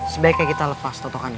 sebaiknya kita lepas totokan ini